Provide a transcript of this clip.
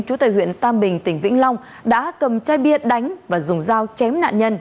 chủ tịch huyện tam bình tỉnh vĩnh long đã cầm chai bia đánh và dùng dao chém nạn nhân